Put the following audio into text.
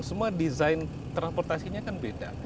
semua desain transportasinya kan beda